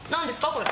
これ。